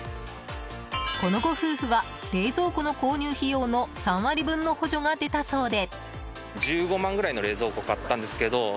このご夫婦は冷蔵庫の購入費用の３割分の補助が出たそうで。